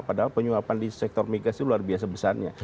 padahal penyuapan di sektor migas itu luar biasa besarnya